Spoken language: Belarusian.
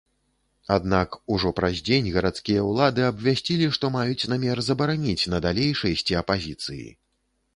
Аднак, ужо праз дзень гарадскія ўлады абвясцілі, што маюць намер забараніць надалей шэсці апазіцыі.